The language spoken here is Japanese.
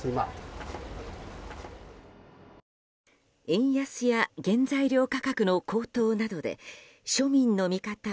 円安や原材料価格の高騰などで庶民の味方